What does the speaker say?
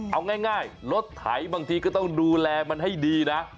เอาง่ายรถไถบางทีก็ต้องดูแลมันให้ดีนะ